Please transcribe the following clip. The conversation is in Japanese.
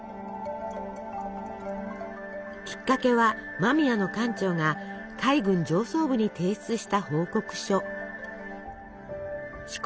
きっかけは間宮の艦長が海軍上層部に提出した報告書。